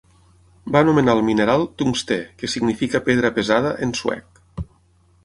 Va anomenar el mineral tungstè, que significa pedra pesada en suec.